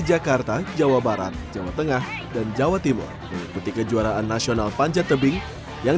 jakarta jawa barat jawa tengah dan jawa timur mengikuti kejuaraan nasional panjat tebing yang